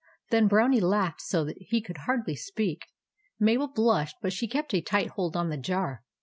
The Brownie laughed so that he could hardly speak. Mabel blushed, but she kept a tight hold on the jar.